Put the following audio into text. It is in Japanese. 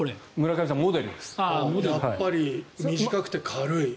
やっぱり短くて軽い。